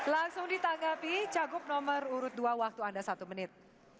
langsung ditanggapi cagup nomor urut dua waktu anda satu menit